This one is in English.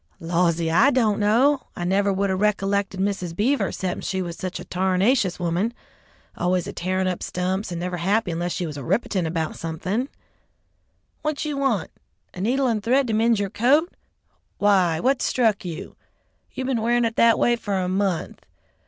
"Lawsee, I don't know. I never would 'a' ricollected Mrs. Beaver 'cepten she was such a tarnashious woman, always a tearin' up stumps, and never happy unless she was rippitin' 'bout somethin'. What you want? A needle and thread to mend your coat? Why, what struck you? You been wearin' it that a way for a month.